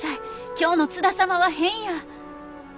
今日の津田様は変や！